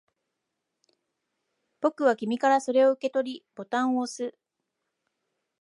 僕は君からそれを受け取り、ボタンを押す